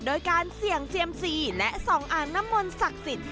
โดยการเสี่ยงเซียมซีและส่องอ่างน้ำมนต์ศักดิ์สิทธิ